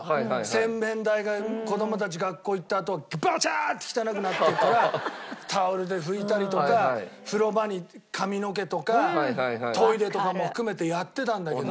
洗面台が子供たち学校行ったあとバチャって汚くなってるからタオルで拭いたりとか風呂場に髪の毛とかトイレとかも含めてやってたんだけど。